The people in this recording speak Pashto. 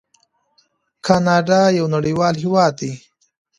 کاناډا یو نړیوال هیواد دی.